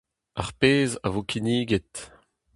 Ar pezh a vo kinniget.